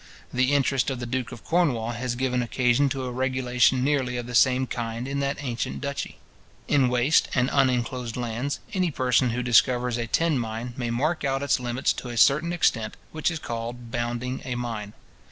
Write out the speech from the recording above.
The interest of the duke of Cornwall has given occasion to a regulation nearly of the same kind in that ancient dutchy. In waste and uninclosed lands, any person who discovers a tin mine may mark out its limits to a certain extent, which is called bounding a mine.